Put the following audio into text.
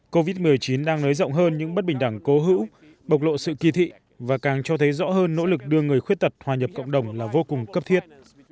covid một mươi chín đang nới rộng hơn những bất bình đẳng cố hữu bộc lộ sự kỳ thị và càng cho thấy rõ hơn nỗ lực đưa người khuyết tật hòa nhập cộng đồng là vô cùng cấp thiết